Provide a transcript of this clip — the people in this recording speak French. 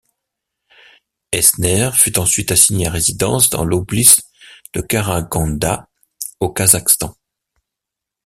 Eisner fut ensuite assigné à résidence dans l'oblys de Karaganda, au Kazakhstan.